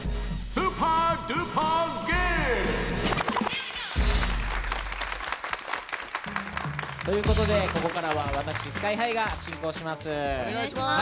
「スーパードューパーゲーム」！ということでここからは私ＳＫＹ‐ＨＩが進行します。